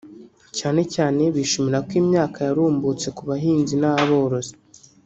cyane cyane bishimira ko imyaka yarumbutse ku bahinzi n’aborozi